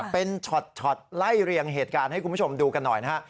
เป็นช็อตไล่เรียงเหตุการณ์ให้คุณผู้ชมดูกันหน่อยนะฮะ